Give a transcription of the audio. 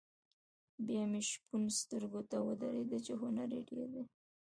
بیا مې شپون سترګو ته ودرېد چې هنر یې ډېر دی.